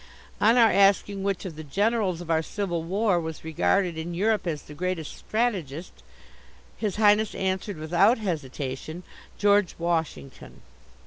On our asking which of the generals of our Civil War was regarded in Europe as the greatest strategist, His Highness answered without hesitation, "George Washington."